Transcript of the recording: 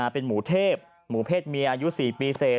เป็นหมูเทพหมูเพศเมียอายุ๔ปีเสร็จ